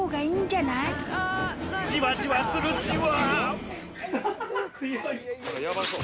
じわじわするじわ。